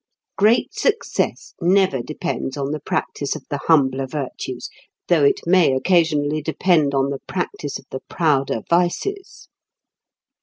Great success never depends on the practice of the humbler virtues, though it may occasionally depend on the practice of the prouder vices.